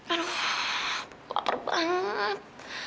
aduh aku apel banget